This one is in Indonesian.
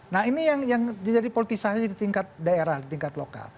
nah ini yang jadi politisasi di tingkat daerah di tingkat lokal